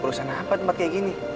urusan apa tempat kayak gini